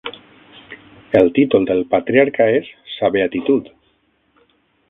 El títol del patriarca és "Sa Beatitud".